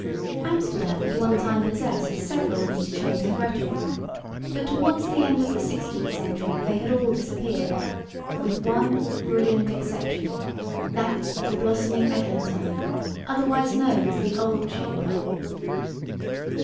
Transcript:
Amsterdam at one time possessed several of these Chambers of Rhetoric, but towards the end of the 16th century they had all disappeared, with one brilliant exception, that of the "Blossoming Eglantine," otherwise known as the "Old Chamber."